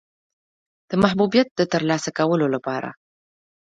د محبوبیت د ترلاسه کولو لپاره.